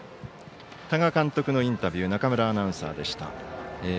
多賀監督のインタビュー中村アナウンサーでした。